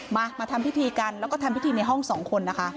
มามาทำพิธีกันแล้วก็ทำพิธีในห้องสองคนนะคะ